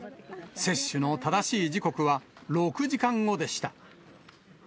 接種の正しい時刻は６時間後でした。